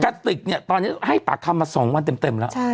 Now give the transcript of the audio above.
กระติกเนี่ยตอนนี้ให้ปากคำมา๒วันเต็มแล้ว